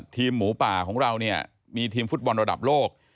ทีมหมูป่าของเราเนี่ยมีทีมฟุตบอลระดับโลก